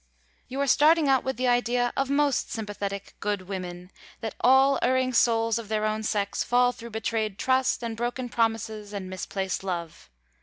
You are starting out with the idea of most sympathetic good women, that all erring souls of their own sex fall through betrayed trust, and broken promises, and misplaced love.